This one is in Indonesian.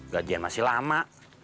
gajian masih lama